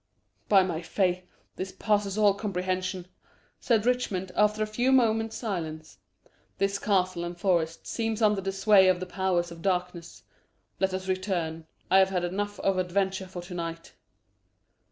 "By my fay, this passes all comprehension," said Richmond, after a few moments' silence. "This castle and forest seem under the sway of the powers of darkness. Let us return. I have had enough of adventure for to night."